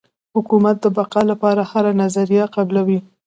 حکومت د بقا لپاره هره نظریه قبلوي.